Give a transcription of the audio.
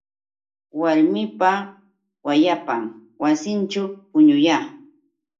Warmipa wayapan wasinćhu puñuya.